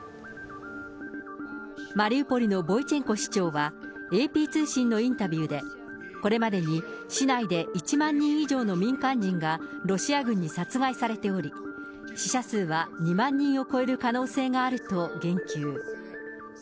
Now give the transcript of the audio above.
マリウポリのボイチェンコ市長はＡＰ通信のインタビューで、これまでに市内で１万人以上の民間人がロシア軍に殺害されており、死者数は２万人を超える可能性があると言及。